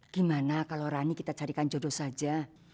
gimana kalau rani kita carikan jodoh saja